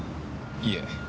いえ。